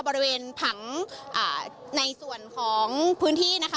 บริเวณผังในส่วนของพื้นที่นะคะ